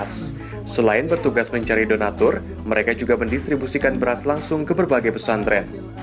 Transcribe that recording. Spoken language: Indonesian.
selain bertugas mencari donatur mereka juga mendistribusikan beras langsung ke berbagai pesantren